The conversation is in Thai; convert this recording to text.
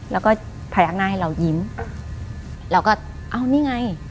แล้วก็พยักหน้าให้เรายิ้มเราก็อ้าวนี่ไง